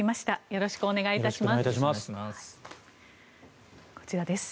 よろしくお願いします。